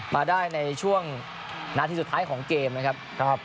มาได้ในช่วงนาทีสุดท้ายของเกมนะครับ